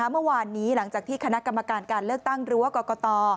เมื่อวานนี้หลังจากที่คณะกรรมการการเลือกตั้งหรือว่ากรกต